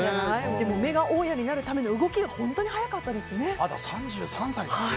メガ大家になるための動きが本当に速かったですね。